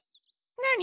なに？